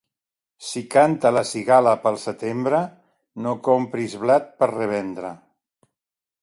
Si canta la cigala pel setembre, no compris blat per revendre.